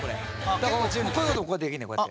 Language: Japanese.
だからこういうこともできんねんこうやって。